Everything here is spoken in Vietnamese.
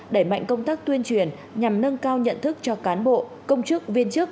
đẩy mạnh công tác tuyên truyền nhằm nâng cao nhận thức cho cán bộ công chức viên chức